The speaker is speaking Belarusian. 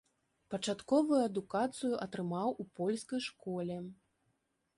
Пачатковую адукацыю атрымаў у польскай школе.